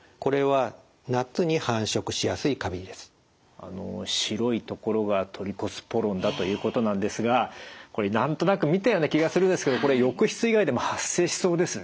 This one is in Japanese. あの白い所がトリコスポロンだということなんですがこれ何となく見たような気がするんですけど浴室以外でも発生しそうですね。